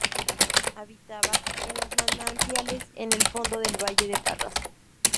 Habitaba en los manantiales en el fondo del Valle de Parras.